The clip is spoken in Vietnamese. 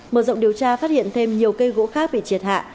mở rộng điều tra phát hiện thêm nhiều cây gỗ khác bị triệt hạ